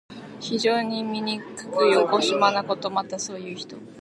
非常にみにくくよこしまなこと。また、そういう人。